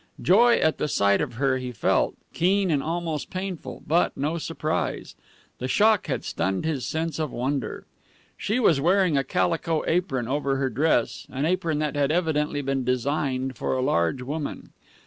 Joy at the sight of her he felt, keen and almost painful, but no surprise. The shock had stunned his sense of wonder. She was wearing a calico apron over her dress, an apron that had evidently been designed for a large woman.